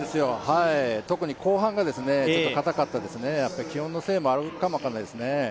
特に後半がかたったですね、気温のせいもあるかも分かんないですね。